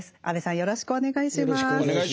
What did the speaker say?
よろしくお願いします。